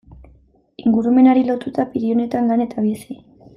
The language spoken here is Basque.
Ingurumenari lotuta Pirinioetan lan eta bizi.